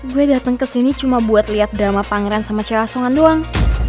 gue dateng kesini cuma buat liat drama pangeran sama cewa songan doang